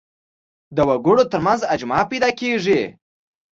د وګړو تر منځ اجماع پیدا کېږي